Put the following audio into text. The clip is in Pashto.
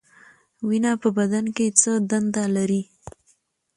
وینه په بدن کې څه دنده لري؟